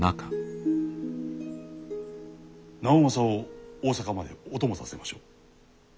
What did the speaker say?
直政を大坂までお供させましょう。